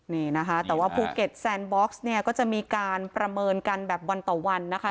นี่นะคะแต่ว่าภูเก็ตแซนบ็อกซ์เนี่ยก็จะมีการประเมินกันแบบวันต่อวันนะคะ